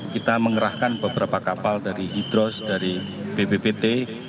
kita mengerahkan beberapa kapal dari hidros dari bbpt